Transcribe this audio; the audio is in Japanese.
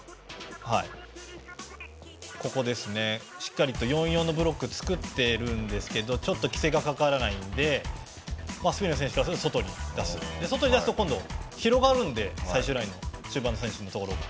しっかりと４−４のブロックを作ってるんですけどちょっと規制がかからないのでスペインの選手からすると外に出すと今度広がるので最終ラインの選手のところが。